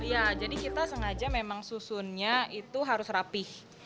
iya jadi kita sengaja memang susunnya itu harus rapih